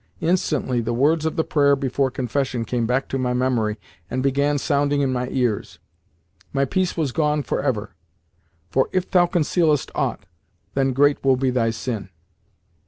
Instantly the words of the prayer before confession came back to my memory and began sounding in my ears. My peace was gone for ever. "For if thou concealest aught, then great will be thy sin."